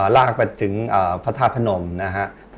ลากไปถึงพระธาตุพนมนะฮะ